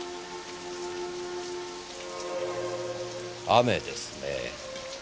雨ですね。